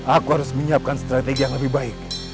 aku harus menyiapkan strategi yang lebih baik